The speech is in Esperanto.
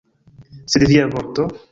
Sed via vorto?